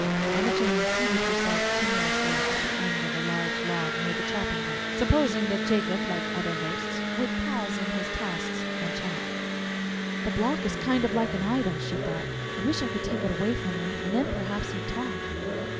Emma Jane seated herself timorously on the end of a large log near the chopping block, supposing that Jacob, like other hosts, would pause in his tasks and chat. "The block is kind of like an idol," she thought; "I wish I could take it away from him, and then perhaps he'd talk."